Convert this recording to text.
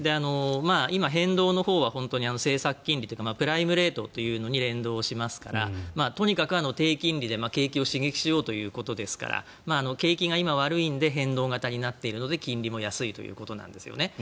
今、変動のほうは本当に政策金利というかプライムレートというのに連動しますからとにかく低金利で景気を刺激しようということですから景気が今、悪いので変動型になっているので金利も安いということなんですよね。